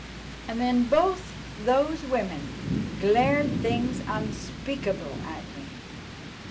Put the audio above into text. And then both those women glared things unspeakable at me.